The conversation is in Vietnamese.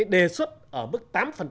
đề xuất ở mức tám